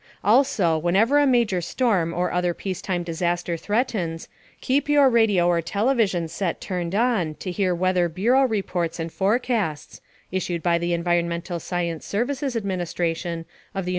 Also, whenever a major storm or other peacetime disaster threatens, keep your radio or television set turned on to hear Weather Bureau reports and forecasts (issued by the Environmental Science Services Administration of the U.S.